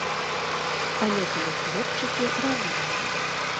Але былі хлопчыкі разумныя.